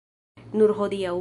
Nur hodiaŭ.